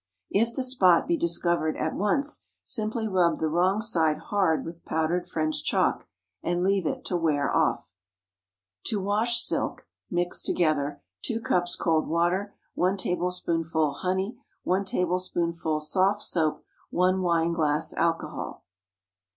If the spot be discovered at once, simply rub the wrong side hard with powdered French chalk, and leave it to wear off. To Wash Silk.—Mix together 2 cups cold water. 1 tablespoonful honey. 1 tablespoonful soft soap. 1 wineglass alcohol.